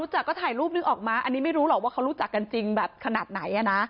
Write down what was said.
จากก็ถ่ายรูปนึกออกมาอันนี้ไม่รู้หรอกว่าเขารู้จักกันจริงแบบขนาดไหน